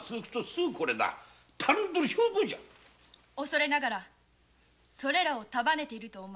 恐れながらそれらを束ねている者が。